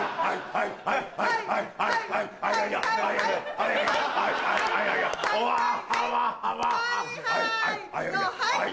はいはいのはい！